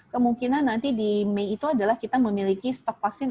kemungkinan nanti di mei itu adalah kita memiliki stok vaksin